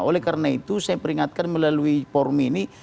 oleh karena itu saya peringatkan melalui forum ini